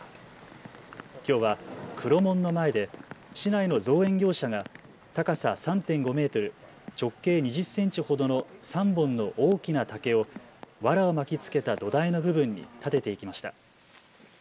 きょうは黒門の前で市内の造園業者が高さ３．５メートル直径２０センチほどの３本の大きな竹をわらを巻きつけた土台の部分に立てていきました。